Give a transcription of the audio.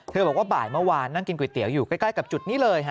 บอกว่าบ่ายเมื่อวานนั่งกินก๋วยเตี๋ยวอยู่ใกล้กับจุดนี้เลย